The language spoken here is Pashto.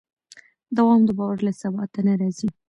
دوام د باور له ثبات نه راځي.